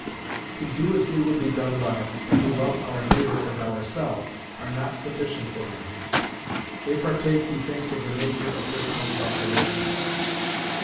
To do as we would be done by, and to love our neighbour as ourself, are not sufficient for him: they partake, he thinks, of the nature of personal calculations.